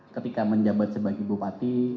ketika menjabat sebagai bupati